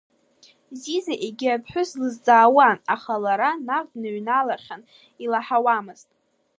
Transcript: Зиза егьи аԥҳәыс длызҵаауан, аха лара наҟ дныҩналахьан, илаҳауамызт.